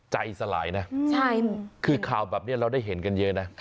ใจสลายนะคือข่าวแบบนี้เราได้เห็นกันเยอะนะ